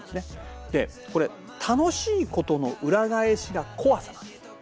これ楽しいことの裏返しが怖さなんです。